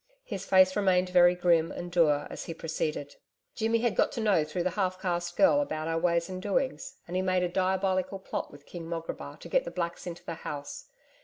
His face remained very grim and dour as he proceeded. 'Jimmy had got to know through the half caste girl about our ways and doings, and he made a diabolic plot with King Mograbar to get the blacks into the house....